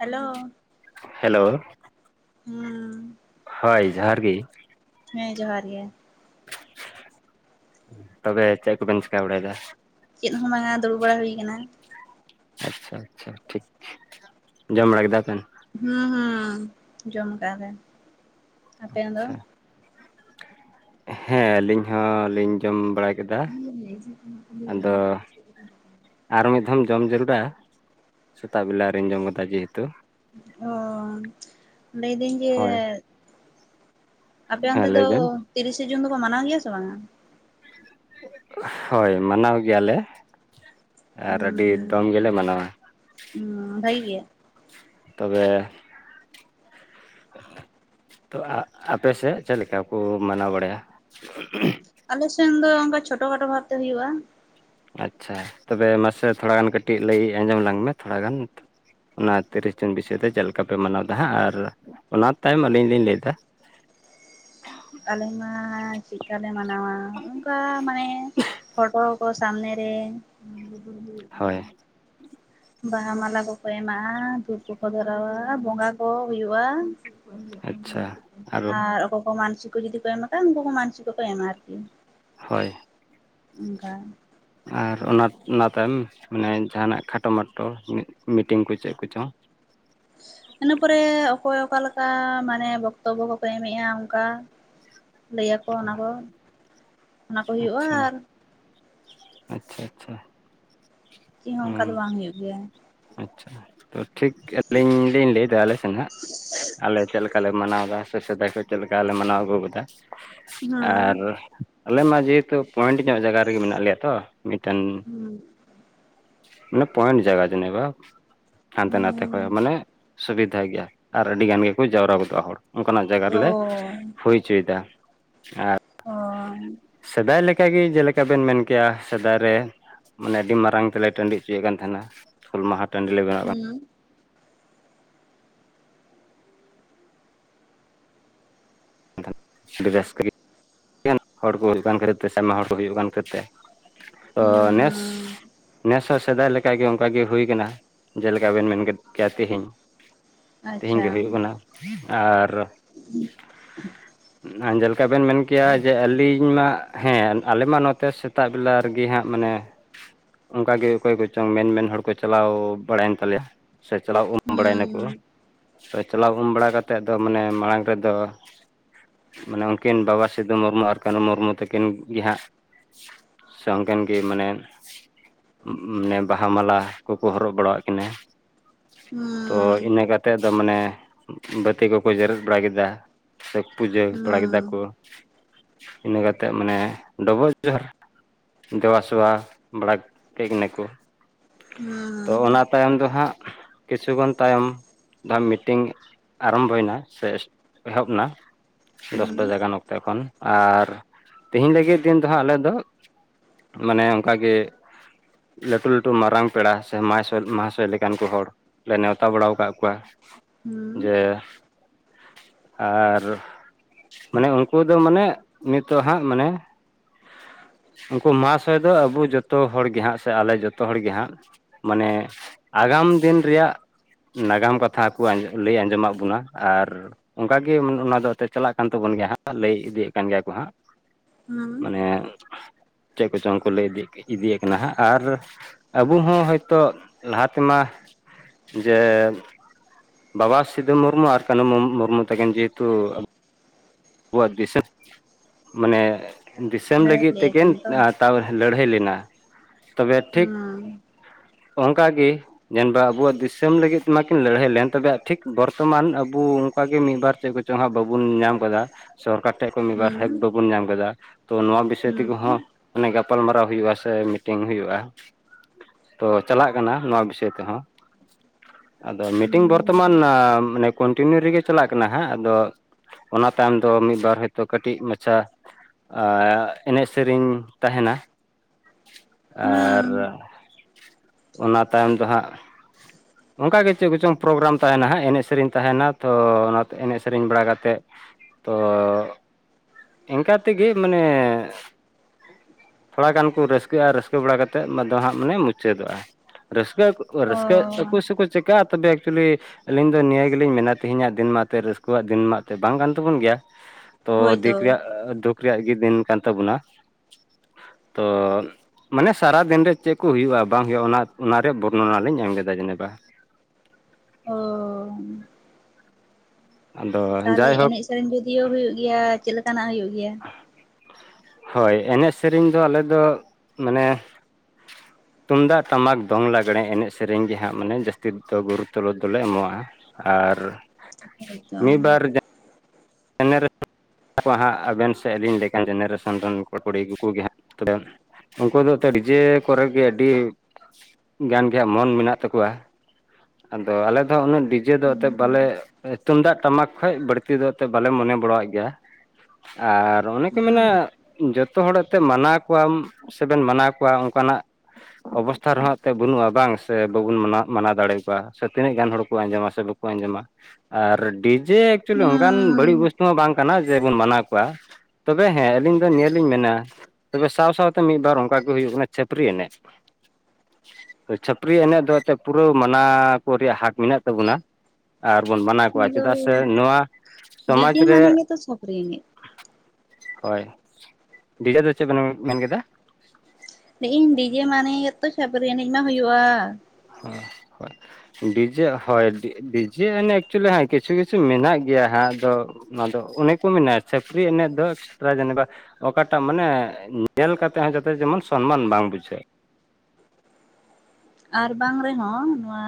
Hello hello ᱦᱩᱸ ᱦᱳᱭ ᱡᱚᱦᱟᱨ ᱜᱤ ᱦᱮᱸ ᱡᱚᱦᱟᱨ ᱜᱮ ᱛᱚᱵᱮ ᱪᱮᱜ ᱠᱚᱵᱮᱱ ᱪᱤᱠᱟ ᱵᱟᱲᱟᱭᱫᱟ ᱪᱮᱫ ᱦᱚᱸ ᱵᱟᱝᱟ ᱫᱩᱲᱩᱵ ᱵᱟᱲᱟ ᱦᱩᱭ ᱠᱟᱱᱟ ᱟᱪᱪᱷᱟ ᱟᱪᱪᱷᱟ ᱴᱷᱤᱠ ᱡᱚᱢ ᱵᱟᱲᱟ ᱠᱮᱫᱟ ᱯᱮ? ᱦᱩᱸ ᱡᱚᱢ ᱠᱟᱜᱼᱟ ᱞᱮ ᱟᱪᱪᱷᱟ ᱦᱮᱸ ᱟᱹᱞᱤᱧ ᱦᱚᱸᱞᱤᱧ ᱡᱚᱢ ᱵᱟᱲᱟ ᱠᱮᱫᱟ ᱟᱫᱚ ᱟᱨ ᱢᱤᱫ ᱫᱷᱚᱢ ᱡᱚᱢ ᱡᱟᱹᱨᱩᱲᱟ ᱥᱮᱛᱟᱜ ᱵᱮᱞᱟ ᱨᱤᱧ ᱡᱚᱢ ᱠᱮᱫᱟ ᱡᱮᱦᱮᱛᱩ ᱚ, ᱞᱟᱹᱭᱫᱟᱹᱧ ᱡᱮ ᱦᱳᱭ ᱟᱯᱮ ᱦᱮᱸ ᱚᱱᱛᱮ ᱫᱚᱻ ᱞᱟᱹᱭ ᱵᱮᱱ ᱛᱤᱨᱤᱥᱮ ᱡᱩᱱ ᱫᱚᱠᱚ ᱢᱟᱱᱟᱣ ᱜᱮᱭᱟ ᱥᱮ ᱵᱟᱝᱟ? ᱦᱳᱭ, ᱢᱟᱱᱟᱣ ᱜᱮᱭᱟ ᱞᱮ, ᱟᱨ ᱟᱹᱰᱤ ᱫᱚᱢ ᱜᱮᱞᱮ ᱢᱟᱱᱟᱣᱟ᱾ ᱩᱸᱻ ᱵᱷᱟᱜᱤ ᱜᱮᱭᱟ᱾ ᱛᱚᱵᱮ᱾ ᱛᱚ, ᱟᱯᱮ ᱥᱮᱜ ᱪᱮᱫᱞᱮᱠᱟ ᱠᱚ ᱢᱟᱱᱟᱣ ᱵᱟᱲᱟᱭᱟ? ᱟᱞᱮ ᱥᱮᱱ ᱫᱚ ᱚᱝᱠᱟ ᱪᱷᱳᱴᱳ ᱠᱷᱟᱴᱳ ᱵᱷᱟᱵᱛᱮ ᱦᱩᱭᱩᱜᱼᱟ᱾ ᱟᱪᱪᱷᱟ, ᱛᱚᱵᱮ ᱢᱟᱥᱮ ᱛᱷᱚᱲᱟ ᱜᱟᱱ ᱠᱟᱹᱴᱤᱡ ᱞᱟᱹᱭ ᱟᱸᱡᱚᱢ ᱞᱟᱝ ᱢᱮ, ᱛᱷᱚᱲᱟ ᱜᱟᱱ᱾ ᱚᱱᱟ ᱛᱤᱨᱤᱥ ᱡᱩᱱ ᱵᱤᱥᱚᱭ ᱫᱚ ᱪᱮᱫ ᱞᱮᱠᱟ ᱯᱮ ᱢᱟᱱᱟᱣ ᱫᱟ ᱦᱟᱸᱜ ᱟᱨ ᱚᱱᱟ ᱛᱟᱭᱚᱢ ᱟᱹᱞᱤᱧ ᱞᱤᱧ ᱞᱟᱹᱭᱫᱟ᱾ ᱟᱞᱮᱢᱟᱻ ᱪᱮᱜᱠᱟ ᱞᱮ ᱢᱟᱱᱟᱣᱟ, ᱚᱝᱠᱟ ᱢᱟᱱᱮ ᱯᱷᱚᱴᱳ ᱠᱚ ᱥᱟᱢᱱᱮ ᱨᱮ ᱦᱳᱭ᱾ ᱵᱟᱦᱟ ᱢᱟᱞᱟ ᱠᱚᱠᱚ ᱮᱢᱟᱜᱼᱟ, ᱫᱷᱩᱯ ᱠᱚᱠᱚ ᱫᱷᱚᱨᱟᱣᱟᱻ ᱵᱚᱸᱜᱟ ᱠᱚ ᱦᱩᱭᱩᱜᱼᱟ᱾ ᱟᱪᱪᱷᱟ ᱟᱨ ᱚᱠᱚᱭ ᱠᱚ ᱢᱟᱱᱥᱤᱠ ᱠᱚ ᱡᱩᱫᱤ ᱠᱚ ᱮᱢ ᱟᱠᱟᱟᱱ ᱩᱱᱠᱩ ᱠᱚ ᱢᱟᱱᱥᱤᱠ ᱠᱚ ᱠᱚ ᱮᱢᱟ ᱟᱨᱠᱤ᱾ ᱦᱳᱭ᱾ ᱚᱝᱠᱟ᱾ ᱟᱨ ᱚᱱᱟ ᱚᱱᱟ ᱛᱟᱭᱚᱢ ᱢᱟᱱᱮ ᱡᱟᱸᱦᱟᱱᱟᱜ ᱠᱷᱟᱴᱚ ᱢᱟᱴᱚ ᱢᱤᱴᱤᱝ ᱠᱚ ᱪᱮᱫ ᱠᱚᱪᱚᱝ ᱤᱱᱟᱹ ᱯᱚᱨᱮᱻ ᱚᱠᱚᱭ ᱚᱠᱟᱞᱮᱠᱟᱻ ᱢᱟᱱᱮ ᱵᱚᱠᱛᱚᱵᱵᱚ ᱠᱚᱠᱚ ᱮᱢᱮᱜᱼᱟ ᱚᱝᱠᱟ᱾ ᱞᱟᱹᱭᱟᱠᱚ ᱚᱱᱟ ᱠᱚ, ᱚᱱᱟ ᱠᱚ ᱦᱩᱭᱩᱜᱼᱟ ᱟᱪᱪᱷᱟ ᱟᱨ ᱟᱪᱪᱷᱟ, ᱟᱪᱪᱷᱟ᱾ ᱪᱮ ᱦᱚᱸ ᱚᱝᱠᱟ ᱦᱩᱸ ᱫᱚ ᱵᱟᱝ ᱦᱩᱭᱩᱜ ᱜᱮᱭᱟ᱾ ᱟᱪᱪᱷᱟ, ᱛᱚ ᱴᱷᱤᱠ ᱟᱹᱞᱤᱧ ᱞᱤᱧ ᱞᱟᱹᱭᱮᱫᱟ ᱟᱞᱮ ᱥᱮᱱ ᱱᱟᱦᱟᱜ, ᱟᱞᱮ ᱪᱮᱫ ᱞᱮᱠᱟᱞᱮ ᱢᱟᱱᱟᱣᱫᱟ᱾ ᱥᱮ ᱥᱮᱫᱟᱭ ᱠᱷᱚᱡ ᱪᱮᱫ ᱞᱮᱠᱟ ᱞᱮ ᱢᱟᱱᱟᱣ ᱟᱹᱜᱩ ᱟᱠᱟᱫᱟ᱾ ᱟᱨ ᱦᱩᱸ ᱟᱞᱮ ᱢᱟ ᱡᱮᱦᱮᱛᱩ ᱯᱚᱭᱮᱱᱴ ᱧᱚᱜ ᱡᱟᱭᱜᱟ ᱨᱮᱜᱮ ᱢᱮᱱᱟᱜ ᱞᱮᱭᱟ ᱛᱚ᱾ ᱢᱤᱴᱟᱱ ᱦᱩᱸ᱾ ᱢᱟᱱᱮ ᱯᱚᱭᱮᱱᱴ ᱡᱟᱭᱜᱟ ᱡᱮᱱᱚ ᱵᱟ, ᱦᱟᱱᱛᱮ ᱱᱟᱛᱮ ᱠᱷᱚᱡ ᱢᱟᱱᱮ ᱥᱩᱵᱤᱫᱷᱟ ᱜᱮᱭᱟ ᱟᱨ ᱟᱹᱰᱤ ᱜᱟᱱ ᱜᱮᱠᱚ ᱡᱟᱣᱨᱟ ᱜᱚᱫᱚᱜᱼᱟ ᱦᱚᱲ ᱚᱱᱠᱟᱱᱟᱜ ᱡᱟᱭᱜᱟ ᱚ ᱨᱮᱞᱮ ᱦᱩᱭ ᱪᱚᱭᱫᱟ, ᱟᱨ ᱚ ᱥᱮᱫᱟᱭ ᱞᱮᱠᱟᱜᱮ ᱡᱮᱞᱮᱠᱟ ᱵᱮᱱ ᱢᱮᱱ ᱠᱮᱭᱟ ᱥᱮᱫᱟᱭ ᱨᱮ ᱢᱟᱱᱮ ᱟᱹᱰᱤ ᱢᱟᱨᱟᱝ ᱛᱮᱞᱮ ᱴᱟᱺᱰᱤ ᱚᱪᱚᱭᱮᱫ ᱠᱟᱱ ᱛᱟᱦᱮᱱᱟ ᱦᱩᱞ ᱢᱟᱦᱟ ᱴᱟᱺᱰᱤ ᱞᱮ ᱵᱮᱱᱟᱣᱮᱫ ᱠᱟᱱ ᱦᱩᱸ [unintelligible] ᱜᱮ ᱦᱚᱲ ᱠᱚ ᱦᱩᱭᱩᱜ ᱠᱟᱱ ᱠᱷᱟᱹᱛᱤᱨ ᱛᱮ ᱥᱮ ᱟᱭᱢᱟ ᱦᱚᱲ ᱠᱚ ᱦᱩᱭᱩᱜ ᱠᱟᱱ ᱠᱷᱟᱹᱛᱤᱨ, ᱛᱚ ᱱᱮᱥᱻ ᱦᱩᱸ ᱱᱮᱥ ᱦᱚᱸ ᱥᱮᱫᱟᱭ ᱞᱮᱠᱟᱜᱮ ᱚᱝᱠᱟ ᱜᱮ ᱦᱩᱭ ᱠᱟᱱᱟ, ᱡᱮᱞᱮᱠᱟ ᱵᱮᱱ ᱢᱮᱱ ᱠᱮᱫ ᱜᱮᱭᱟ ᱛᱤᱦᱤᱧ᱾ ᱛᱮᱦᱮᱧ ᱟᱪᱪᱷᱟ ᱜᱮ ᱦᱩᱭᱩᱜ ᱠᱟᱱᱟ᱾ ᱟᱨ, ᱡᱮᱞᱮᱠᱟ ᱵᱮᱱ ᱢᱮᱱ ᱠᱮᱭᱟ ᱡᱮ ᱟᱹᱞᱤᱧ ᱢᱟ ᱦᱮᱸ ᱟᱞᱮᱢᱟ ᱱᱚᱛᱮ ᱥᱮᱛᱟᱜ ᱵᱮᱞᱟ ᱨᱮ ᱜᱮ ᱦᱟᱸᱜ ᱢᱟᱱᱮ ᱚᱱᱠᱟᱜᱮ ᱚᱠᱚᱭ ᱠᱚ ᱪᱚᱝ ᱢᱮᱱ ᱢᱮᱱ ᱦᱚᱲ ᱠᱚ ᱪᱟᱞᱟᱣᱻ ᱵᱟᱲᱟᱭᱮᱱ ᱛᱟᱞᱮᱭᱟ᱾ ᱥᱮ ᱪᱟᱞᱟᱣ ᱩᱢ ᱵᱟᱲᱟᱭ ᱱᱟᱠᱚ᱾ ᱦᱩᱸ ᱛᱚ ᱪᱟᱞᱟᱣ ᱩᱢ ᱵᱟᱲᱟ ᱠᱟᱛᱮ ᱫᱚ ᱢᱟᱱᱮ ᱢᱟᱲᱟᱝ ᱨᱮ ᱫᱚ ᱢᱟᱱᱮ ᱩᱱᱠᱤᱱ ᱵᱟᱵᱟ ᱥᱤᱫ- [inaudible] ᱢᱩᱨᱢᱩ ᱟᱨ ᱠᱟᱹᱱᱩ ᱢᱩᱨᱢᱩ ᱛᱟᱹᱠᱤᱱ ᱜᱮ ᱦᱟᱸᱜ ᱩᱱᱠᱤᱱ ᱜᱮ ᱢᱟᱱᱮ ᱢᱟᱱᱮ ᱵᱟᱦᱟ ᱢᱟᱞᱟ ᱠᱚ ᱠᱚ ᱦᱚᱨᱚᱜ ᱵᱟᱲᱟᱜ ᱠᱤᱱᱟᱹ᱾ ᱛᱚ ᱦᱩᱸ ᱤᱱᱟᱹ ᱠᱟᱛᱮ ᱫᱚ ᱢᱟᱱᱮ ᱵᱟᱹᱛᱤ ᱠᱚᱠᱚ ᱡᱮᱨᱮᱫ ᱵᱟᱲᱟ ᱠᱮᱫᱟ᱾ ᱥᱮ ᱯᱩᱡᱟᱹ ᱵᱟᱲᱟ ᱠᱮᱫᱟ ᱦᱩᱸ ᱠᱚ, ᱤᱱᱟᱹ ᱠᱟᱛᱮ ᱢᱟᱱᱮ, ᱰᱚᱵᱚᱜ ᱡᱚᱦᱟᱨ ᱫᱮᱵᱟᱥᱵᱟ ᱵᱟᱲᱟ ᱠᱮᱫ ᱠᱤᱱᱟ ᱠᱚ᱾ ᱛᱚ ᱦᱩᱸᱻ ᱚᱱᱟ ᱛᱟᱭᱚᱢ ᱫᱚ ᱦᱟᱸᱜ, ᱠᱤᱪᱷᱩᱩᱜᱟᱱ ᱛᱟᱭᱚᱢ᱾ ᱢᱤᱴᱤᱝ ᱟᱨᱟᱢᱵᱷᱚᱭᱮᱱᱟ ᱥᱮ ᱮᱦᱚᱵ ᱱᱟ ᱫᱚᱥ ᱦᱩᱸ ᱵᱟᱡᱟᱜ ᱜᱟᱱ ᱚᱠ ᱛᱮ ᱠᱷᱚᱱ ᱟᱨ ᱛᱮᱤᱦᱮᱧ ᱞᱟᱹᱜᱤᱫ ᱫᱤᱱ ᱫᱚ ᱦᱟᱸᱜ ᱟᱞᱮ ᱫᱚ᱾ ᱢᱟᱱᱮ ᱚᱱᱠᱟ ᱜᱮ᱾ ᱞᱟᱹᱴᱩ ᱞᱟᱹᱴᱩ ᱢᱟᱨᱟᱝ ᱯᱮᱲᱟ ᱥᱮ, ᱢᱟᱥᱭ ᱢᱟᱦᱟᱥᱚᱭ ᱞᱮᱠᱟᱱ ᱠᱚ ᱦᱚᱲ᱾ ᱞᱮ ᱱᱮᱣᱛᱟ ᱵᱟᱲᱟᱣ ᱟᱠᱟᱫ ᱠᱚᱣᱟ। ᱦᱩᱸ ᱡᱮ ᱟᱨ ᱢᱟᱱᱮ ᱩᱱ ᱼᱼ ᱩᱱᱠᱩ ᱫᱚ ᱢᱟᱱᱮ ᱱᱤᱛᱚᱜ ᱦᱟᱸᱜ ᱢᱟᱱᱮ ᱼᱼ ᱩᱱᱠᱩ ᱢᱟᱦᱟᱥᱚᱭ ᱫᱚ ᱟᱵᱚ ᱡᱷᱚᱛᱚ ᱦᱚᱲ ᱜᱮ ᱦᱟᱸᱜ ᱥᱮ ᱟᱞᱮ ᱡᱷᱚᱛᱚ ᱦᱚᱲ ᱜᱮ ᱦᱟᱸᱜ ᱼᱼ ᱢᱟᱱᱮ ᱟᱜᱟᱢ ᱫᱤᱱ ᱨᱮᱭᱟᱜ ᱱᱟᱜᱟᱢ ᱠᱟᱛᱷᱟ ᱠᱚᱣᱟᱜ ᱞᱟᱹᱭ ᱟᱸᱡᱚᱢᱟᱫ ᱵᱚᱱᱟ, ᱟᱨ ᱚᱱᱠᱟ ᱜᱮ ᱚᱱᱟ ᱫᱚ ᱮ ᱪᱟᱞᱟᱜ ᱠᱟᱱ ᱛᱟᱵᱚᱱ ᱜᱮᱭᱟ ᱦᱟᱸᱜ। ᱞᱟᱹᱭ ᱤᱫᱤᱭᱮᱫ ᱠᱟᱱ ᱜᱮᱭᱟ ᱠᱚ ᱦᱟᱸᱜ᱾ ᱦᱩᱸ ᱢᱟᱱᱮ ᱼ ᱪᱮᱫ ᱠᱚᱪᱚᱝ ᱠᱚ ᱞᱟᱹᱭᱤᱫᱤᱭ ᱤᱫᱤᱭᱮ ᱠᱟᱱᱟ ᱦᱟᱸᱜ ᱟᱨ ᱟᱵᱚ ᱦᱚᱸ ᱦᱚᱭᱛᱳ ᱞᱟᱦᱟ ᱛᱮᱢᱟ ᱡᱮ ᱾ ᱵᱟᱵᱟ ᱥᱤᱫᱷᱩ ᱢᱩᱨᱢᱩ ᱟᱨ ᱠᱟᱹᱱᱦᱩ ᱢᱩᱨᱢᱩ ᱛᱟᱠᱮᱱ ᱡᱮᱦᱮᱛᱩ ᱾ ᱟᱵᱚᱣᱟᱜ ᱫᱤᱥᱚᱢ ᱢᱟᱱᱮ ᱫᱤᱥᱚᱢ ᱵᱮᱲᱟ ᱞᱟᱹᱜᱤᱫ ᱞᱟᱹᱭᱟ ᱛᱮᱠᱤᱱ ᱠᱤᱱ ᱛᱚ ᱼᱼ ᱛᱟᱣ ᱞᱟᱹᱲᱦᱟᱹᱭ ᱞᱮᱱᱟ᱾ ᱛᱚᱵᱮ ᱴᱷᱤᱠ ᱦᱩᱸ ᱚᱱᱠᱟᱜᱮ ᱾ ᱡᱮᱱ ᱟᱵᱚᱣᱟᱜ ᱫᱤᱥᱚᱢ ᱞᱟᱹᱜᱤᱫ ᱢᱟᱠᱤᱱ ᱞᱟᱹᱲᱦᱟᱹᱭ ᱞᱮᱱ ᱛᱚᱵᱮ ᱴᱷᱤᱠ ᱵᱚᱨᱛᱚᱢᱟᱱ ᱟᱵᱚ ᱚᱱᱠᱟ ᱜᱮ ᱢᱤᱫᱵᱟᱨ ᱪᱮᱫ ᱠᱚ ᱾ ᱪᱚᱝ ᱦᱟᱸᱜ ᱵᱟᱵᱚᱱ ᱧᱟᱢ ᱠᱟᱫᱟ᱾ ᱥᱚᱨᱠᱟᱨ ᱴᱷᱮᱱ ᱠᱷᱚᱡ ᱢᱤᱫᱵᱟᱨ ᱦᱩᱸ ᱦᱮᱞᱯ ᱵᱟᱵᱚᱱ ᱧᱟᱢ ᱟᱠᱟᱫᱟ। ᱛᱚ ᱱᱚᱣᱟ ᱵᱤᱥᱚᱭ ᱦᱩᱸ ᱛᱮᱜᱮᱦᱚᱸ ᱚᱱᱮ, ᱜᱟᱯᱟᱞᱢᱟᱨᱟᱣ ᱦᱩᱭᱩᱜᱼᱟ ᱥᱮ ᱢᱤᱴᱤᱝ ᱦᱩᱭᱩᱜᱼᱟ। ᱛᱚ ᱪᱟᱞᱟᱜ ᱠᱟᱱᱟ ᱱᱚᱣᱟ ᱵᱤᱥᱚᱭ ᱛᱮᱦᱚᱸ। ᱟᱫᱚ ᱢᱤᱴᱤᱝ ᱵᱚᱨᱛᱚᱢᱟᱱ ᱦᱩᱸ ᱢᱟᱱᱮ ᱠᱚᱱᱴᱤᱱᱤᱭᱩ ᱨᱮᱜᱮ ᱪᱟᱞᱟᱜ ᱠᱟᱱᱟ ᱦᱟᱸᱜ ᱟᱫᱚ ᱾ ᱛᱟᱭᱚᱢ ᱫᱚ ᱢᱤᱫ ᱵᱟᱨ ᱦᱳᱭᱛᱚ ᱠᱟᱹᱴᱤᱡ ᱢᱟᱪᱷᱟ ᱾ ᱟ ᱮᱱᱮᱡ ᱥᱮᱨᱮᱧ ᱛᱟᱦᱮᱱᱟ। ᱟᱨ ᱦᱩᱸ ᱚᱱᱟ ᱛᱟᱭᱚᱢ ᱫᱚ ᱦᱟᱸᱜ ᱾ ᱚᱱᱠᱟᱜᱮ ᱪᱮᱫ ᱠᱚᱪᱚᱝ ᱯᱨᱳᱜᱨᱟᱢ ᱛᱟᱦᱮᱱᱟ ᱦᱟᱸᱜ ᱮᱱᱮᱡ ᱥᱮᱨᱮᱧ ᱛᱟᱦᱮᱱᱟ᱾ ᱛᱚ ᱚᱱᱟ ᱛᱮ ᱮᱱᱮᱡ ᱥᱮᱨᱮᱧ ᱵᱟᱲᱟ ᱠᱟᱛᱮᱫ ᱾ ᱛᱚ ᱤᱱᱠᱟ ᱛᱮᱜᱮ ᱢᱟᱱᱮ ᱾ ᱛᱷᱚᱲᱟ ᱜᱟᱱ ᱠᱚ ᱨᱟᱹᱥᱠᱟᱹᱜᱼᱟ ᱨᱟᱹᱥᱠᱟᱹ ᱵᱟᱲᱟ ᱠᱟᱛᱮᱜ ᱢᱟ ᱫᱚ ᱦᱟᱸᱜ ᱢᱟᱱᱮ ᱢᱩᱪᱟᱹᱫᱚᱜᱼᱟ ᱨᱟᱹᱥᱠᱟᱹ ᱾ ᱠᱚ ᱚ ᱨᱟᱹᱥᱠᱟᱹᱜ ᱟᱠᱚ ᱥᱮᱠᱚ [inaudible] ᱪᱤᱠᱟᱹᱜᱼᱟ ᱛᱚᱵᱮ ᱮᱠᱪᱩᱭᱮᱞᱤ ᱟᱹᱞᱤᱧ ᱫᱚ ᱱᱤᱭᱟᱹ ᱜᱮᱞᱤᱧ ᱢᱮᱱᱟ ᱛᱮᱦᱮᱧᱟᱜ ᱫᱤᱱ ᱢᱟ ᱮᱛᱮᱫ ᱨᱟᱹᱥᱠᱟᱹᱣᱟᱜ ᱫᱤᱱ ᱢᱟ ᱮᱛᱮᱫ ᱵᱟᱝ ᱠᱟᱱ ᱛᱟᱵᱚᱱ ᱜᱮᱭᱟ। ᱛᱚ ᱫᱤᱠ ᱦᱳᱭᱛᱚ ᱨᱮᱭᱟᱜ ᱫᱩᱠᱷ ᱨᱮᱭᱟᱜ ᱜᱮ ᱫᱤᱱ ᱠᱟᱱ ᱛᱟᱵᱚᱱᱟ। ᱛᱚᱸ ᱢᱟᱱᱮ ᱥᱟᱨᱟ ᱫᱤᱱ ᱨᱮ ᱪᱮᱫ ᱠᱚ ᱦᱳᱼᱟ ᱵᱟᱝ ᱦᱩᱭᱩᱜᱜᱼᱟ ᱚᱱᱟ ᱚᱱᱟᱨᱮ ᱵᱚᱨᱱᱚᱱᱟ ᱞᱤᱧ ᱮᱢ ᱠᱮᱫᱟ ᱡᱮᱱᱮ ᱵᱟ। ᱚ ᱟᱫᱚ ᱛᱟᱦᱟᱞᱮ ᱡᱟᱭᱦᱳᱠ ᱮᱱᱮᱡ ᱥᱮᱨᱮᱧ ᱡᱚᱫᱤᱭᱳ ᱦᱩᱭᱩᱜ ᱜᱮᱭᱟ ᱪᱮᱫ ᱞᱮᱠᱟᱱᱟᱜ ᱦᱩᱭᱩᱜ ᱜᱮᱭᱟ? ᱦᱳᱭ ᱮᱱᱮᱡ ᱥᱮᱨᱮᱧ ᱫᱚ ᱟᱞᱮ ᱫᱚ ᱢᱟᱱᱮ ᱾ ᱛᱩᱢᱫᱟᱜ ᱴᱟᱢᱟᱠ ᱫᱚᱝ ᱞᱟᱜᱽᱬᱮ ᱮᱱᱮᱡ ᱥᱮᱨᱮᱧ ᱜᱮ, ᱦᱟᱸᱜ ᱢᱟᱱᱮ ᱡᱟᱹᱥᱛᱤ ᱫᱚ ᱜᱩᱨᱩᱛᱛᱚᱨᱚ ᱫᱚᱞᱮ ᱮᱢᱚᱜᱼᱟ। ᱟᱨ ᱦᱳᱭᱛᱚ ᱢᱤᱫ ᱵᱟᱨ [inaudible] ᱮᱥ [unintelligible] ᱦᱟᱸᱜ ᱟᱵᱮᱱ ᱥᱮ ᱟᱹᱞᱤᱧ ᱞᱮᱠᱟᱱ ᱡᱮᱱᱟᱨᱮᱥᱚᱱ ᱨᱮᱱ ᱠᱩᱲᱤ ᱠᱚᱠᱚ [unintelligible] ᱜᱮ ᱦᱟᱸᱜ ᱼᱼ ᱩᱱᱠᱩ ᱫᱚ ᱛᱚ ᱰᱤᱡᱮ ᱠᱚᱨᱮ ᱜᱮ ᱟᱹᱰᱤ ᱜᱟᱱ ᱜᱮᱭᱟ ᱢᱚᱱ ᱢᱮᱱᱟᱜ ᱛᱟᱠᱚᱣᱟ। ᱟᱫᱚ ᱟᱞᱮ ᱫᱚ ᱩᱱᱟᱹᱜ ᱰᱤᱡᱮ ᱫᱚ ᱦᱩᱸ ᱟᱛᱮᱫ ᱵᱟᱞᱮ ᱛᱩᱢᱫᱟᱜ ᱴᱟᱢᱟᱠ ᱠᱷᱚᱡ ᱵᱟᱹᱲᱛᱤ ᱫᱚ ᱾ ᱛᱚ ᱵᱟᱞᱮ ᱢᱚᱱᱮ ᱵᱟᱲᱟᱣᱟᱜ ᱜᱮᱭᱟ ᱟᱨ ᱚᱱᱮ ᱠᱚ ᱢᱮᱱᱟ ᱦᱩᱸ ᱡᱚᱛᱚ ᱦᱚᱲ ᱟᱛᱮᱫ ᱢᱟᱱᱟᱣ ᱠᱚᱣᱟᱢ ᱥᱮᱵᱮᱱ ᱢᱟᱱᱟᱣ ᱠᱚᱣᱟ ᱚᱱᱠᱟᱱᱟᱜ ᱼᱼ ᱚᱵᱚᱥᱛᱷᱟ ᱨᱮᱦᱚᱸ ᱮᱱᱛᱮ ᱵᱟᱹᱱᱩᱜᱼᱟ ᱵᱟᱝ ᱥᱮ, ᱵᱟᱵᱩᱱ ᱢᱟᱱᱟᱣ ᱫᱟᱲᱮ ᱟᱠᱚᱣᱟ ᱥᱮ ᱛᱤᱱᱟᱹᱜ ᱜᱟᱱ ᱦᱚᱲ ᱠᱚ ᱟᱸᱡᱚᱢᱟ ᱥᱮ ᱼᱼ ᱠᱚ ᱟᱸᱡᱚᱢᱟ ᱟᱨ ᱰᱤᱡᱮ ᱮᱠᱪᱩᱭᱮᱞᱤ--‌ ᱵᱟᱹᱲᱤᱡ ᱦᱩᱸ ᱵᱚᱥᱛᱩ ᱦᱚᱸ ᱵᱟᱝ ᱠᱟᱱᱟ ᱡᱮᱵᱚᱱ ᱢᱟᱱᱟ‌ ᱠᱚᱣᱟ᱾ ᱛᱚᱵᱮ ᱦᱮᱸ ᱟᱹᱞᱤᱧ ᱫᱚ ᱱᱤᱭᱟᱹ ᱞᱤᱧ ᱢᱮᱱᱟ᱾ ᱛᱚᱵᱮ ᱥᱟᱶ ᱥᱟᱶᱛᱮ ᱢᱤᱫᱵᱟᱨ ᱚᱱᱠᱟ ᱜᱮ ᱦᱩᱭᱩᱜ ᱠᱟᱱᱟ ᱪᱟᱹᱯᱨᱤ ᱮᱱᱮᱡ। ᱛᱚ ᱪᱷᱟᱹᱯᱨᱤ ᱮᱱᱮᱡ ᱫᱚ ᱮᱱᱛᱮ ᱯᱩᱨᱟᱹ ᱢᱟᱱᱟ ᱠᱚ ᱨᱮᱭᱟᱜ ᱦᱟᱠ ᱢᱮᱱᱟᱜ ᱛᱟᱵᱚᱱᱟ ᱟᱨᱵᱚᱱ ᱢᱟᱱᱟ ᱠᱚᱣᱟ᱾ ᱪᱮᱫᱟᱜ ᱥᱮ ᱱᱚᱣᱟ ᱥᱚᱢᱟᱡᱽ ᱵᱤᱡᱮ ᱨᱮ ᱢᱟᱱᱮ ᱜᱮ ᱛᱚ ᱯᱷᱟᱯᱨᱤ ᱮᱱᱮᱡ, ᱦᱳᱭ ᱰᱤᱡᱟ ᱫᱚ ᱪᱮᱫ ᱵᱮᱱ ᱢᱮᱱ ᱠᱮᱫᱟ? ᱞᱮᱭᱮᱜ-ᱤᱧ ᱰᱤᱡᱮ ᱢᱟᱱᱮ ᱜᱮᱛᱚ ᱪᱷᱟᱯᱨᱤ ᱮᱱᱮᱡ ᱢᱟ ᱦᱩᱭᱩᱜᱼᱟ। ᱦᱳ ᱦᱳᱭ ᱰᱤᱡᱮ ᱦᱳᱭ ᱰᱤᱡᱮ ᱡᱟᱱᱮ ᱮᱠᱪᱩᱭᱮᱞᱤ ᱦᱳᱭ ᱠᱤᱪᱷᱩ ᱠᱤᱪᱷᱩ ᱢᱮᱱᱟᱜ ᱜᱮᱭᱟ ᱦᱟᱸᱜ ᱟᱫᱚ ᱼᱼ ᱚᱱᱟ ᱫᱚ ᱚᱱᱮ ᱠᱚ ᱢᱮᱱᱟ ᱪᱷᱟᱯᱨᱤ ᱮᱱᱮᱡ ᱫᱚ ᱥᱴᱨᱟ [inaudible] ᱚᱠᱟᱴᱟᱜ ᱢᱟᱱᱮ ᱧᱮᱞ ᱠᱟᱛᱮᱜ ᱦᱚᱸ ᱡᱟᱛᱮ ᱡᱮᱢᱚᱱ ᱥᱚᱱᱢᱟᱱ ᱵᱟᱝ ᱵᱩᱡᱷᱟᱹᱜ ᱟᱨ ᱵᱟᱝ ᱨᱮᱦᱚᱸ ᱱᱚᱣᱟ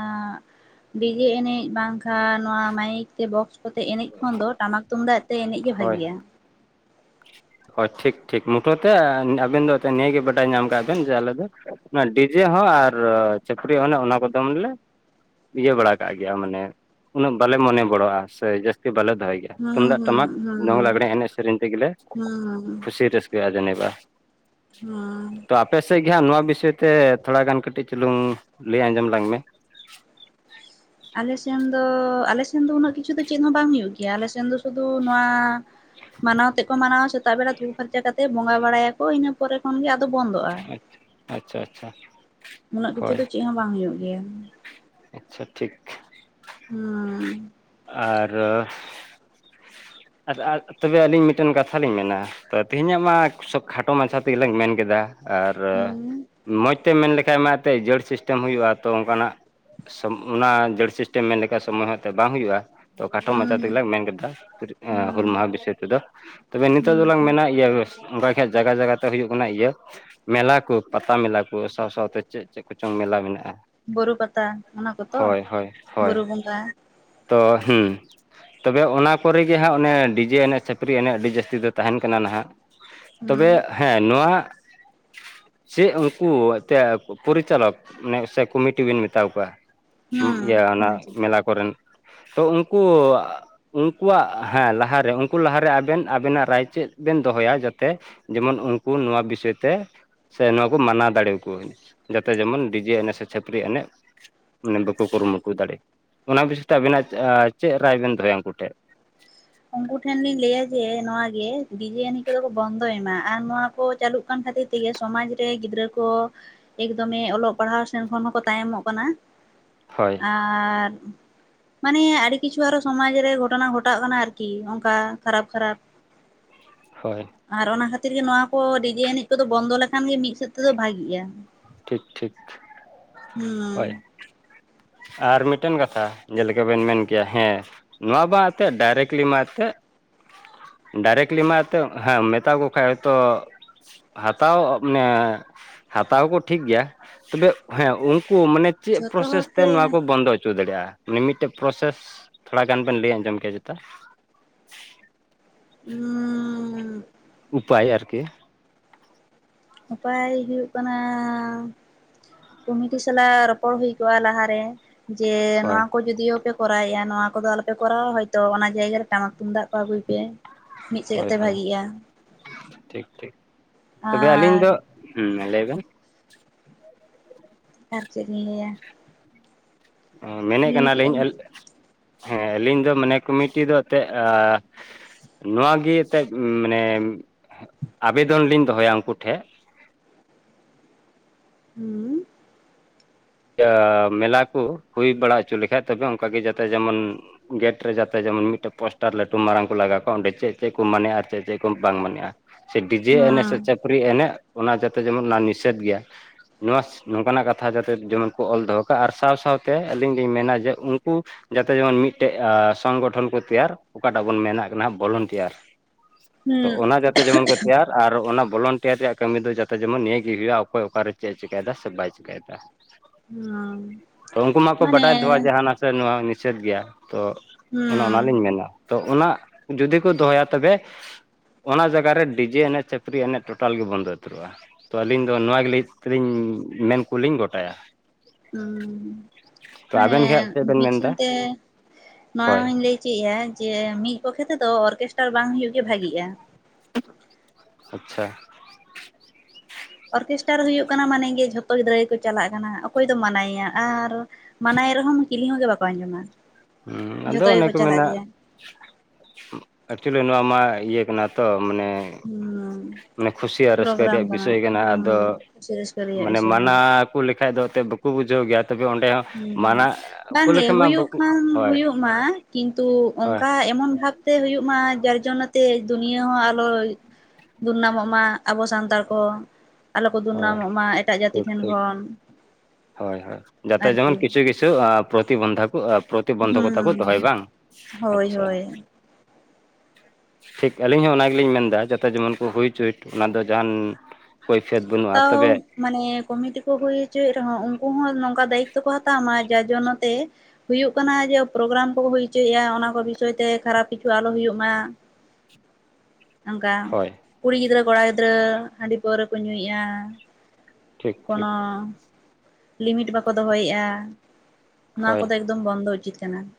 ᱰᱤᱡᱮ ᱮᱱᱮᱡ ᱵᱟᱝ ᱠᱷᱟᱱ ᱱᱚᱣᱟ ᱢᱟᱭᱤᱠ ᱛᱮ ᱵᱚᱠᱥ ᱠᱚᱛᱮ ᱮᱱᱮᱡ ᱠᱷᱚᱱ ᱫᱚ ᱴᱟᱢᱟᱠ ᱛᱩᱢᱫᱟᱜ ᱛᱮ ᱮᱱᱮᱡ ᱜᱮ ᱦᱳᱭ ᱵᱷᱟᱜᱮᱭᱟ ᱦᱳᱭ ᱴᱷᱤᱠ ᱴᱷᱤᱠ ᱢᱩᱴᱟᱹ ᱛᱮ ᱟᱵᱮᱱ ᱫᱚ ᱱᱤᱭᱟᱹ ᱜᱮ ᱵᱟᱰᱟᱭ ᱧᱟᱢ ᱠᱟᱜ ᱵᱮᱱ ᱡᱮ ᱟᱞᱮ ᱫᱚ ᱚᱱᱟ ᱰᱤᱡᱮ ᱦᱚᱸ ᱟᱨ ᱪᱷᱟᱹᱯᱨᱤ ᱚᱱᱟ ᱠᱚᱫᱢ ᱞᱮ ᱤᱭᱟᱹ ᱵᱟᱲᱟ ᱠᱟᱜ ᱜᱮᱭᱟ ᱢᱟᱱᱮ ᱩᱱᱟᱹᱜ ᱵᱟᱞᱮ ᱢᱚᱱᱮ ᱜᱚᱲᱚᱜᱼᱟ ᱥᱮ ᱡᱟᱹᱥᱛᱤ ᱵᱟᱞᱮ ᱫᱚᱦᱚᱭ ᱜᱮᱭᱟ ᱦᱩᱸ ᱛᱩᱢᱫᱟᱜ ᱴᱟᱢᱟᱠ ᱦᱩᱸ ᱦᱩᱸ ᱫᱚᱝ ᱞᱟᱜᱽᱲᱮ ᱮᱱᱮᱡ ᱥᱮᱨᱮᱧ ᱛᱮᱜᱮᱞᱮ ᱦᱩᱸ ᱠᱩᱥᱤ ᱨᱟᱹᱥᱠᱟᱹᱜᱼᱟ ᱡᱟᱹᱱᱤ ᱵᱟᱝ? ᱦᱩᱸ ᱛᱚ ᱟᱯᱮᱥᱮᱫ ᱜᱮ ᱦᱟᱸᱜ ᱱᱚᱣᱟ ᱵᱤᱥᱚᱭ ᱛᱮ ᱛᱷᱚᱲᱟ ᱜᱟᱱ ᱠᱟᱹᱴᱤᱡ ᱪᱩᱞᱩᱝ ᱞᱟᱹᱭ ᱟᱸᱡᱚᱢ ᱟᱞᱟᱝ ᱢᱮ ᱟᱞᱮᱥᱮᱱ ᱫᱚ ᱟᱞᱮᱥᱮᱱ ᱫᱚ ᱩᱱᱟᱹᱜ ᱠᱤᱪᱷᱩ ᱫᱚ ᱪᱮᱫ ᱦᱚᱸ ᱵᱟᱝ ᱦᱩᱭᱩᱜ ᱜᱮᱭᱟ ᱟᱞᱮ ᱥᱮᱱ ᱫᱚ ᱥᱩᱫᱩ ᱱᱚᱣᱟ ᱢᱟᱱᱟᱣ ᱛᱮᱫᱠᱚ ᱢᱟᱱᱟᱣᱟ ᱥᱮᱛᱟᱜ ᱵᱮᱲᱟ ᱛᱩᱯᱩ ᱯᱷᱟᱨᱪᱟ ᱠᱟᱛᱮ ᱵᱚᱸᱜᱟ ᱵᱟᱲᱟᱭᱟ ᱠᱚ ᱤᱱᱟᱹ ᱯᱚᱨᱮ ᱠᱷᱚᱱ ᱜᱮ ᱟᱫᱚ ᱵᱚᱱᱫᱚᱜᱼᱟ ᱟᱪᱪᱷᱟ ᱟᱪᱪᱷᱟ ᱩᱱᱟᱹᱜ ᱠᱤᱪᱷᱩ ᱦᱳᱭ ᱫᱚ ᱪᱮᱫ ᱦᱚᱸ ᱵᱟᱝ ᱦᱩᱭᱩᱜ ᱜᱮᱭᱟ ᱟᱪᱪᱷᱟ ᱴᱷᱤᱠ ᱦᱩᱸ ᱟᱨ ᱟᱨ ᱟᱨ ᱛᱚᱵᱮ ᱟᱹᱞᱤᱧ ᱢᱤᱫ ᱴᱮᱱ ᱠᱟᱛᱷᱟ ᱞᱤᱧ ᱢᱮᱱᱟ ᱛᱚ ᱛᱮᱦᱮᱧᱟᱜ ᱢᱟ ᱥᱚᱵ ᱠᱷᱟᱴᱚ ᱢᱟᱪᱷᱟ ᱛᱮᱜᱮᱞᱤᱝ ᱢᱮᱱ ᱠᱮᱫᱟ ᱟᱨ ᱦᱩᱸ ᱢᱚᱡᱽ ᱛᱮᱢ ᱢᱮᱱ ᱞᱮᱠᱷᱟᱡ ᱢᱟ ᱮᱱᱛᱮᱫ ᱡᱟᱹᱲ ᱥᱤᱥᱴᱮᱢ ᱦᱩᱭᱩᱜᱼᱟ ᱛᱚ ᱚᱱᱠᱟ ᱱᱟᱜ ᱚᱱᱟ ᱡᱟᱹᱲ ᱥᱤᱥᱴᱮᱢ ᱢᱮᱱᱞᱠᱷᱟᱱ ᱥᱚᱢᱚᱭ ᱦᱚᱸ ᱮᱱᱛᱮ ᱵᱟᱝ ᱦᱩᱭᱩᱜᱼᱟ, ᱛᱚ ᱠᱟᱴᱚ ᱢᱟᱪᱷᱟ ᱦᱩᱸ ᱛᱮᱜᱮᱞᱟᱝ ᱢᱮᱱ ᱠᱮᱫᱟ ᱦᱩᱞ ᱦᱩᱸ ᱢᱟᱦᱟ ᱵᱤᱥᱚᱭ ᱛᱮᱫᱚ ᱛᱚᱵᱮ ᱱᱤᱛᱚᱜ ᱦᱩᱸ ᱫᱚ ᱞᱟᱝ ᱦᱩᱸ ᱢᱮᱱᱟ, ᱤᱭᱟᱹ ᱵᱮᱥ ᱚᱱᱠᱟ ᱠᱷᱟᱡ ᱡᱟᱭᱜᱟ ᱡᱟᱭᱜᱟ ᱛᱮ ᱦᱩᱭᱩᱜ ᱠᱟᱱᱟ ᱤᱭᱟᱹ ᱢᱮᱞᱟ ᱠᱚ ᱯᱟᱛᱟ ᱢᱮᱞᱟ ᱠᱚ ᱥᱟᱶ ᱥᱟᱶ ᱛᱮ ᱪᱮᱫ ᱪᱮᱫ ᱠᱚᱪᱚᱝ ᱢᱮᱞᱟ ᱢᱮᱱᱟᱜᱼᱟ᱾ ᱵᱳᱨᱳ ᱯᱟᱛᱟ ᱚᱱᱟ ᱠᱚᱛᱚ ᱦᱳᱭ ᱦᱳᱭ ᱦᱳᱭ ᱵᱩᱨᱩ ᱵᱚᱸᱜᱟ ᱛᱚ ᱦᱩᱸ ᱛᱚᱵᱮ ᱚᱱᱟ ᱠᱚᱨᱮ ᱜᱮ ᱦᱟᱸᱜ ᱚᱱᱮ ᱰᱤᱡᱮ ᱮᱱᱮᱡ ᱪᱷᱟᱹᱯᱨᱤ ᱮᱱᱮᱡ ᱟᱹᱰᱤ ᱡᱟᱹᱥᱛᱤ ᱫᱚ ᱛᱟᱦᱮᱸᱱ ᱠᱟᱱᱟ ᱱᱟᱦᱟᱜ ᱛᱚᱵᱮ ᱦᱩᱸ ᱦᱮᱸ ᱱᱚᱣᱟ ᱪᱮᱫ ᱩᱱᱠᱩ ᱮᱱᱛᱮᱫ ᱯᱚᱨᱤᱪᱟᱞᱚᱠ ᱢᱟᱱᱮ ᱥᱮ ᱠᱚᱢᱤᱴᱤ ᱵᱮᱱ ᱢᱮᱛᱟᱣ ᱠᱚᱣᱟ ᱤᱭᱟᱹ ᱦᱩᱸ ᱚᱱᱟ ᱠᱚᱢᱤᱴᱤ ᱢᱮᱞᱟ ᱠᱚᱨᱮᱱ ᱛᱚ ᱩᱱᱠᱩ ᱩᱱᱠᱩᱣᱟᱜ ᱦᱮᱸ ᱞᱟᱦᱟ ᱨᱮ ᱩᱱᱠᱩ ᱞᱟᱦᱟᱨᱮ ᱟᱵᱮᱱ ᱟᱵᱮᱱᱟᱜ ᱨᱟᱭ ᱪᱮᱫ ᱵᱮᱱ ᱫᱚᱦᱚᱭᱟ ᱡᱟᱛᱮ ᱡᱮᱢᱚᱱ ᱩᱱᱠᱩ ᱱᱚᱣᱟ ᱵᱤᱥᱚᱭ ᱛᱮ ᱥᱮ ᱱᱚᱣᱟ ᱠᱚ ᱢᱟᱱᱟᱣ ᱫᱟᱲᱮᱭᱟ ᱠᱚᱣᱟᱹᱧ ᱡᱟᱛᱮ ᱡᱮᱢᱚᱱ ᱰᱤᱡᱮ ᱮᱱᱮᱡ ᱥᱮ ᱪᱷᱟᱹᱯᱨᱤ ᱮᱱᱮᱡ ᱢᱟᱱᱮ ᱵᱟᱠᱚ ᱠᱩᱨᱩᱢᱩᱴᱩ ᱫᱟᱲᱮᱜ ᱚᱱᱟ ᱵᱤᱥᱚᱭ ᱛᱮ ᱟᱵᱤᱱᱟᱜ ᱪᱮᱫ ᱨᱟᱭ ᱵᱮᱱ ᱫᱚᱦᱚᱭᱟ ᱩᱱᱠᱩ ᱴᱷᱮᱡ [inaudible] ᱩᱱᱠᱩ ᱴᱷᱮᱱ ᱞᱤᱧ ᱞᱟᱹᱭᱟ ᱡᱮ ᱱᱚᱶᱟ ᱜᱮ ᱰᱤᱡᱮ ᱮᱱᱮᱡ ᱠᱚᱫᱚ ᱠᱚ ᱵᱚᱱᱫᱚᱭ ᱢᱟ ᱟᱨ ᱱᱚᱣᱟ ᱠᱚ ᱪᱟᱞᱩᱜ ᱠᱟᱱ ᱠᱷᱟᱹᱛᱤᱨ ᱛᱮᱜᱮ ᱥᱚᱢᱟᱡᱽ ᱨᱮ ᱜᱤᱫᱽᱨᱟᱹ ᱠᱚ ᱮᱠᱫᱚᱢᱮ ᱚᱞᱚᱜ ᱯᱟᱲᱦᱟᱣ ᱥᱮᱱ ᱠᱷᱚᱱ ᱦᱚᱸᱠᱚ ᱛᱟᱭᱚᱢᱚᱜ ᱠᱟᱱᱟ᱾ ᱦᱳᱭ ᱟᱨ ᱢᱟᱱᱮ ᱟᱹᱰᱤ ᱠᱤᱪᱷᱩ ᱟᱨᱚ ᱥᱚᱢᱟᱡᱽ ᱨᱮ ᱜᱷᱚᱴᱚᱱᱟ ᱜᱷᱚᱴᱟᱜ ᱠᱟᱱᱟ ᱟᱨ ᱠᱤ ᱚᱝᱠᱟ ᱠᱷᱟᱨᱟᱯ ᱠᱷᱟᱨᱟᱯ᱾ ᱦᱳᱭ᱾ ᱟᱨ ᱚᱱᱟ ᱠᱷᱟᱹᱛᱤᱨ ᱜᱮ ᱱᱚᱣᱟ ᱠᱚ ᱰᱤᱡᱮ ᱮᱱᱤᱡ ᱠᱚᱫᱚ ᱵᱚᱱᱫᱚ ᱞᱮᱠᱷᱟᱱ ᱜᱮ ᱢᱤᱫ ᱥᱮᱫ ᱛᱮᱫᱚ ᱵᱷᱟᱜᱤᱜᱼᱟ᱾ ᱴᱷᱤᱠ ᱴᱷᱤᱠ, ᱦᱳᱭ᱾ ᱦᱩᱸ ᱟᱨ ᱢᱤᱫᱴᱮᱱ ᱠᱟᱛᱷᱟ ᱡᱮᱞᱮᱠᱟ ᱵᱮᱱ ᱢᱮᱱ ᱠᱮᱭᱟ ᱦᱮᱸ ᱱᱚᱣᱟ ᱵᱟ ᱮᱛᱮᱫ ᱰᱟᱭᱨᱮᱠᱴᱞᱤ ᱢᱟ ᱮᱛᱮ ᱰᱟᱭᱨᱮᱠᱴᱞᱤ ᱢᱟ ᱮᱛᱚᱜ ᱦᱮᱸ ᱢᱮᱛᱟ ᱠᱚ ᱠᱷᱟᱱ ᱦᱚᱭᱛᱚ ᱦᱟᱛᱟᱟᱣ ᱢᱟᱱᱮ ᱦᱟᱛᱟᱟᱣ ᱠᱚ ᱴᱷᱤᱠ ᱜᱮᱭᱟ ᱛᱚᱵᱮ ᱦᱮᱸ ᱩᱱᱠᱩ ᱢᱟᱱᱮ ᱪᱮᱫ ᱡᱷᱚᱛᱚ ᱯᱨᱚᱥᱮᱥ ᱦᱚᱲ ᱛᱮ ᱱᱚᱣᱟ ᱠᱚ ᱵᱚᱱᱫᱚ ᱦᱚᱪᱚ ᱫᱟᱲᱮᱼᱟ ᱢᱤᱫ-ᱢᱤᱫᱴᱮᱡ ᱯᱨᱚᱥᱮᱥ ᱛᱷᱚᱲᱟ ᱜᱟᱱ ᱵᱮᱱ ᱞᱟᱹᱭ ᱟᱸᱡᱚᱢ ᱠᱮᱭᱟ ᱡᱚᱛᱚ ᱦᱩᱸ ᱩᱯᱟᱭ ᱟᱨᱠᱤ ᱩᱯᱟᱭ ᱦᱩᱭᱩᱜ ᱠᱟᱱᱟ ᱠᱚᱢᱤᱴᱤ ᱥᱟᱞᱟᱜ ᱨᱚᱯᱚᱲ ᱦᱩᱭ ᱠᱚᱜᱼᱟ ᱞᱟᱦᱟᱨᱮ ᱡᱮ ᱦᱳᱭ ᱱᱚᱣᱟ ᱠᱚ ᱡᱫᱤᱭᱳ ᱯᱮ ᱠᱚᱨᱟᱣᱭᱮᱼᱟ ᱱᱚᱣᱟ ᱠᱚᱫᱚ ᱟᱞᱚᱯᱮ ᱠᱚᱨᱟᱣᱟ ᱦᱚᱭᱛᱚ ᱚᱱᱟ ᱡᱟᱭᱜᱟ ᱨᱮ ᱴᱟᱢᱟᱠ ᱛᱩᱢᱫᱟᱜ ᱠᱚ ᱟᱹᱜᱩᱭ ᱯᱮ ᱢᱤᱫ ᱥᱮᱫ ᱦᱳᱭ ᱛᱮ ᱦᱳᱭ ᱵᱷᱟᱜᱤᱜᱼᱟ ᱴᱷᱤᱠ ᱴᱷᱤᱠ ᱛᱚᱵᱮ ᱟᱹᱞᱤᱧ ᱟᱨ ᱫᱚᱜ ᱦᱩᱸ ᱢᱟ ᱞᱟᱹᱭ ᱵᱮᱱ [inaudible] ᱟᱨ ᱪᱮᱛ ᱞᱤᱧ ᱞᱟᱹᱭᱟ ᱚ, ᱢᱮᱱᱮᱫ ᱦᱤᱲᱤᱧ ᱠᱮᱫᱼᱟ ᱠᱟᱱᱟᱞᱤᱧ ᱞᱤᱧ ᱦᱮᱸ ᱟᱹᱞᱤᱧ ᱫᱚ ᱢᱟᱱᱮ ᱠᱚᱢᱤᱴᱤ ᱫᱚ ᱟᱛᱮᱫ ᱟᱻ ᱱᱚᱣᱟ ᱜᱮ ᱮᱱᱛᱮᱫ ᱢᱟᱱᱮ ᱟᱵᱮᱫᱚᱱ ᱞᱤᱧ ᱫᱚᱦᱚᱭᱟ ᱩᱱᱠᱩ ᱴᱷᱮ ᱦᱩᱸ ᱟᱻ ᱢᱮᱞᱟ ᱠᱚ ᱦᱩᱭ ᱵᱟᱲᱟ ᱦᱚᱪᱚ ᱞᱮᱠᱷᱟᱡ ᱛᱚᱵᱮ ᱚᱝᱠᱟᱜᱮ ᱡᱟᱛᱮ ᱡᱮᱢᱚᱱ ᱜᱮᱴ ᱨᱮ ᱡᱟᱛᱮ ᱡᱮᱢᱚᱱ ᱢᱤᱫᱴᱮᱡ ᱯᱳᱥᱴᱟᱨ ᱞᱟᱹᱴᱩ ᱢᱟᱨᱟᱝ ᱠᱚ ᱞᱟᱜᱟᱣ ᱠᱟᱜ ᱟ ᱚᱸᱰᱮ ᱪᱮᱫ ᱪᱮᱫ ᱠᱚ ᱢᱟᱱᱮᱜᱼᱟ ᱟᱨ ᱪᱮᱫ ᱪᱮᱫ ᱠᱚ ᱵᱟᱝ ᱢᱟᱱᱮᱜᱼᱟ ᱥᱮ ᱰᱤᱡᱮᱭᱟ ᱮᱱᱮ ᱥᱮ ᱦᱩᱸ ᱪᱮᱫ ᱪᱷᱟᱯᱨᱤ ᱮᱱᱮᱡ ᱚᱱᱟ ᱡᱟᱛᱮ ᱡᱮᱢᱚᱱ ᱚᱱᱟ ᱱᱤᱥᱮᱫ ᱜᱮᱭᱟ ᱱᱚᱣᱟ ᱱᱚᱝᱠᱟᱱᱟᱜ ᱠᱟᱛᱷᱟ ᱡᱟ ᱡᱮᱢᱚᱱ ᱠᱚ ᱚᱞ ᱫᱚᱦᱚ ᱠᱟᱜ ᱟᱨ ᱥᱟᱶ ᱥᱟᱶᱛᱮ ᱟᱹᱞᱤᱧ ᱞᱤᱧ ᱢᱮᱱᱟ ᱡᱮ ᱩᱱᱠᱩ ᱡᱟᱛᱮ ᱡᱮᱢᱚᱱ ᱢᱤᱫᱴᱮᱡ ᱟᱻ ᱥᱚᱝᱜᱚᱴᱷᱚᱱ ᱠᱚ ᱛᱮᱭᱟᱨ, ᱚᱠᱟᱴᱟᱜ ᱵᱚᱱ ᱢᱮᱱᱟᱜ ᱠᱟᱱᱟ ᱵᱚᱞᱚᱱᱴᱤᱭᱟᱨ᱾ ᱛᱚ ᱦᱩᱸ ᱚᱱᱟ ᱡᱟᱛᱮ ᱡᱮᱢᱚᱱ ᱠᱚ ᱛᱮᱭᱟᱨ ᱟᱨ ᱚᱱᱟ ᱵᱚᱞᱚᱱᱴᱤᱭᱟᱨ ᱨᱮᱭᱟᱜ ᱠᱟᱹᱢᱤ ᱫᱚ ᱡᱟᱛᱮ ᱡᱮᱢᱚᱱ ᱱᱤᱭᱟᱹ ᱜᱮ ᱦᱩᱭᱩᱼᱟ ᱚᱠᱚᱭ ᱚᱠᱟᱨᱮ ᱪᱮᱫ ᱮ ᱪᱮᱠᱟᱹᱭᱫᱟ ᱥᱮ ᱵᱟᱭ ᱪᱮᱠᱟᱹᱭᱫᱟ ᱦᱩᱸ ᱛᱚ, ᱩᱝᱠᱩ ᱢᱟᱠᱚ ᱢᱟᱱᱮ ᱵᱟᱰᱟᱭ ᱫᱚᱦᱚᱣᱟ ᱡᱟᱦᱟᱱᱟ ᱥᱮ ᱱᱚᱣᱟ ᱱᱤᱥᱮᱫᱽ ᱜᱮᱭᱟ ᱛᱚ ᱚᱱᱮ ᱦᱩᱸ ᱚᱱᱟᱞᱤᱧ ᱢᱮᱱᱟ᱾ ᱛᱚ ᱚᱱᱟ ᱡᱩᱫᱤ ᱠᱚ ᱫᱚᱦᱚᱭᱟ ᱛᱚᱵᱮ ᱚᱱᱟ ᱡᱟᱜᱟᱨᱮ ᱰᱤᱡᱮ ᱮᱱᱮᱡ ᱪᱷᱟᱯᱨᱤ ᱮᱱᱮᱡ ᱴᱳᱴᱟᱞ ᱜᱮ ᱵᱚᱱᱫᱚ ᱩᱛᱟᱹᱨᱚᱜᱼᱟ᱾ ᱛᱚ ᱟᱹᱞᱤᱧ ᱫᱚ ᱱᱚᱣᱟ ᱜᱮ ᱞᱟᱹᱭ ᱛᱮᱞᱤᱧ ᱢᱮᱱ ᱠᱚᱞᱤᱧ ᱜᱚᱴᱟᱭᱟ᱾ ᱩᱸᱻ ᱛᱚ ᱢᱟᱱᱮ ᱟᱵᱮᱱ ᱜᱮ ᱦᱟᱸᱜ ᱪᱮᱫ ᱵᱮᱱ ᱢᱮᱱᱫᱟ ᱢᱤᱫᱥᱮᱱ ᱛᱮ ᱱᱚᱣᱟ ᱦᱳᱭ ᱦᱚᱧ ᱞᱟᱹᱭ ᱪᱟᱹᱭᱟ ᱡᱮ ᱢᱤᱫ ᱯᱚᱠᱠᱷᱮ ᱛᱮᱫᱚ ᱚᱨᱜᱮᱥᱴᱟᱨ ᱵᱟᱝ ᱦᱩᱭᱩᱜ ᱜᱮ ᱵᱷᱟᱜᱤᱜᱼᱟ᱾ ᱟᱪᱪᱷᱟ [inaudible] ᱚᱨᱠᱮᱥᱴᱟᱨ ᱦᱩᱭᱩᱜ ᱠᱟᱱᱟ ᱢᱟᱱᱮ ᱜᱮ ᱡᱷᱚᱛᱚ ᱜᱤᱫᱽᱨᱟᱹ ᱜᱮᱠᱚ ᱪᱟᱞᱟᱜ ᱠᱟᱱᱟ ᱚᱠᱚᱭ ᱫᱚ ᱢᱟᱱᱟᱭᱮᱭᱟ ᱟᱨ ᱢᱟᱱᱟᱭᱮ ᱨᱮᱦᱚᱸᱢ ᱪᱤᱞᱤ ᱦᱚᱸ ᱜᱮ ᱵᱟᱠᱚ ᱟᱸᱡᱚᱢᱟ᱾ ᱦᱩᱸ ᱟᱫᱚ ᱡᱷᱚᱛᱚ ᱚᱱᱮ ᱜᱮᱠᱚ ᱠᱚ ᱪᱟᱞᱟᱜ ᱢᱮᱱᱟ ᱜᱮᱭᱟ ᱮᱠᱪᱩᱭᱮᱞᱤ ᱱᱚᱣᱟ ᱢᱟ ᱤᱭᱟᱹ ᱠᱟᱱᱟ ᱛᱚ ᱢᱟᱱᱮ ᱦᱩᱸ ᱢᱟᱱᱮ ᱠᱷᱩᱥᱤ ᱟᱨ ᱨᱟᱹᱥᱠᱟᱹ ᱯᱨᱳᱜᱨᱟᱢ ᱨᱮᱭᱟᱜ ᱵᱤᱥᱚᱭ ᱠᱟᱱᱟ ᱦᱩᱸ ᱟᱫᱚ ᱠᱩᱥᱤ ᱨᱟᱹᱥᱠᱟᱹ ᱨᱮᱭᱟᱜ ᱢᱟᱱᱮ ᱵᱤᱥᱚᱭ ᱢᱟᱱᱟ ᱠᱟᱱᱟ ᱦᱩᱸ ᱠᱩ ᱞᱮᱠᱷᱟᱡ ᱫᱚ ᱚᱛᱮ ᱵᱟᱠᱚ ᱵᱩᱡᱷᱟᱹᱣ ᱜᱮᱭᱟ ᱛᱚᱵᱮ ᱚᱸᱰᱮ ᱦᱚᱸ᱾ ᱦᱩᱸ ᱦᱩᱸ ᱢᱟᱱᱟ ᱠᱚ ᱵᱟᱝᱜᱮ ᱞᱮᱠᱷᱟᱱ ᱢᱟ ᱦᱳᱭᱳᱜ ᱵᱟᱠᱚ ᱠᱷᱟᱱ ᱦᱳᱭ ᱦᱳᱭᱳᱜ ᱢᱟ ᱠᱤᱱᱛᱩ ᱦᱳᱭ ᱚᱝᱠᱟ᱾ ᱮᱢᱚᱱ ᱵᱷᱟᱵᱛᱮ ᱦᱩᱭᱩᱜᱭ ᱢᱟ ᱡᱟᱨ ᱡᱚᱱᱱᱮ ᱛᱮ ᱫᱩᱱᱭᱟᱹ ᱦᱚᱸ ᱟᱞᱚ ᱫᱩᱨᱱᱟᱢᱚᱜ ᱢᱟ ᱟᱵᱚ ᱥᱟᱱᱛᱟᱲ ᱠᱚ ᱟᱞᱚ ᱠᱚ ᱦᱳᱭ ᱫᱩᱨᱱᱟᱢᱚᱜ ᱢᱟ ᱮᱴᱟᱜ ᱡᱟᱹᱛᱤ ᱴᱷᱤᱠ ᱴᱷᱮᱱ ᱴᱷᱤᱠ ᱠᱷᱚᱱ᱾ ᱦᱳᱭ ᱦᱳᱭ ᱡᱟᱛᱮ ᱟᱨᱠᱤ ᱡᱮᱢᱚᱱ ᱠᱤᱪᱷᱩ ᱠᱤᱪᱷᱩ ᱯᱨᱚᱛᱤᱵᱚᱱᱫᱷᱟ ᱠᱚ ᱯᱨᱚᱛᱤᱵᱚᱱᱫᱷᱚᱠᱚᱛᱟ ᱠᱚ ᱫᱚᱦᱚᱭ ᱦᱩᱸ ᱵᱟᱝ ᱦᱳᱭ ᱟᱪᱪᱷᱟ᱾ ᱦᱳᱭ ᱴᱷᱤᱠ ᱟᱹᱞᱤᱧ ᱦᱚᱸ ᱚᱱᱟ ᱜᱮᱞᱤᱧ ᱢᱮᱱᱫᱟ ᱡᱟᱛᱮ ᱡᱮᱢᱚᱱ ᱠᱚ ᱦᱩᱭᱪᱚᱭᱮᱴ ᱚᱱᱟ ᱫᱚ ᱡᱟᱦᱟᱱ ᱠᱚᱭᱯᱷᱮᱛ ᱵᱟᱹᱱᱩᱜ ᱾ ᱛᱟᱣ ᱾ ᱢᱟᱱᱮ ᱠᱚᱢᱤᱴᱤ ᱠᱚ ᱦᱩᱭ ᱦᱚᱪᱚᱭᱮᱫ ᱨᱮᱦᱚᱸ ᱩᱱᱠᱩ ᱦᱚᱸ ᱱᱚᱝᱠᱟ ᱫᱟᱭᱤᱛ ᱛᱚ ᱠᱚ ᱦᱟᱛᱟᱣ ᱢᱟ ᱡᱟᱨ ᱡᱚᱱᱱᱚ ᱛᱮ ᱦᱩᱭᱩᱜ ᱠᱟᱱᱟ ᱡᱮ ᱯᱨᱳᱜᱨᱟᱢ ᱠᱚ ᱦᱩᱭ ᱦᱚᱪᱚᱭᱮᱫᱼᱟ ᱚᱱᱟ ᱠᱚ ᱵᱤᱥᱚᱭ ᱛᱮ ᱠᱷᱟᱨᱟᱯ ᱠᱤᱪᱷᱩ ᱟᱞᱚ ᱦᱩᱭᱩᱜ ᱢᱟ᱾ [inaudible] ᱚᱱᱠᱟ ᱦᱳᱭ ᱠᱩᱲᱤ ᱜᱤᱫᱽᱨᱟᱹ ᱠᱚᱲᱟ ᱜᱤᱫᱽᱨᱟᱹ ᱦᱟᱺᱰᱤ ᱯᱟᱹᱣᱨᱟᱹ ᱠᱚ ᱧᱩᱭᱮᱜᱼᱟ ᱴᱷᱤᱠ ᱾ ᱴᱷᱤᱠ ᱠᱚᱱᱳ ᱞᱤᱢᱤᱴ ᱵᱟᱠᱚ ᱫᱚᱦᱚᱭᱮᱼᱟ ᱱᱚᱣᱟ ᱦᱳᱭ ᱠᱚᱫᱚ ᱮᱠᱫᱚᱢ ᱵᱚᱱᱫᱚ ᱩᱪᱤᱛ ᱠᱟᱱᱟ ᱾